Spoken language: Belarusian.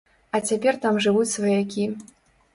А цяпер там жывуць сваякі.